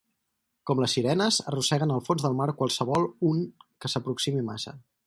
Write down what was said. Com les sirenes, arrosseguen al fons del mar qualsevol un que s'aproximi massa.